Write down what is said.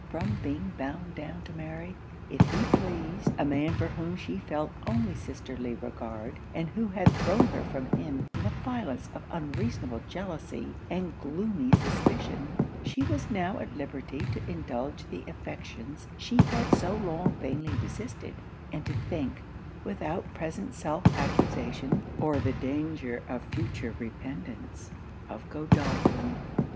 From being bound down to marry, if he pleased, a man for whom she felt only sisterly regard, and who had thrown her from him in the violence of unreasonable jealousy and gloomy suspicion, she was now at liberty to indulge the affections she had so long vainly resisted, and to think, without present self accusation, or the danger of future repentance, of Godolphin.